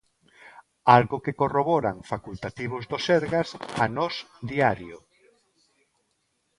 Algo que corroboran facultativos do Sergas a Nós Diario.